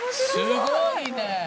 すごいね。